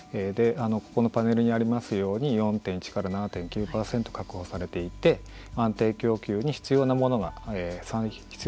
このパネルにありますように４．１から７．９％確保されていて安定供給に必要なものが必要